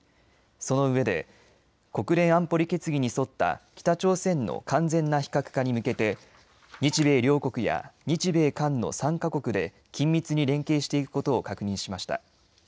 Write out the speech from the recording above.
そのうえで国連安保理決議に沿った北朝鮮の完全な非核化に向けて日米両国や日米韓の３か国で緊密に連携していくことを確認しました。